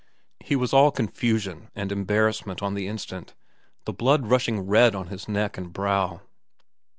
He was all confusion and embarrassment on the instant, the blood flushing red on his neck and brow.